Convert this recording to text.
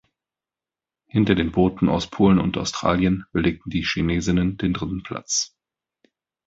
Hinter den Booten aus Polen und Australien belegten die Chinesinnen den dritten Platz.